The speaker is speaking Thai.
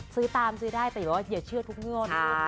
ซื้อตามซื้อได้แต่ว่าอย่าเชื่อทุกงวด